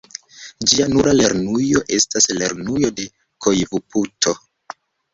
Ĝia nura lernujo estas Lernujo de Koivupuhto.